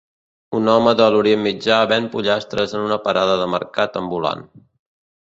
Un home de l'orient mitjà ven pollastres en una parada de mercat ambulant